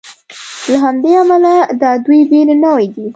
له همدې امله دا دوې بېلې نوعې دي.